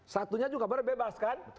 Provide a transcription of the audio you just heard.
satunya juga bebas kan